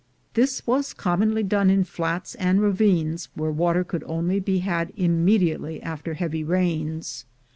This was commonly done in flats and ravines where water could only be had immediately after heavy rains.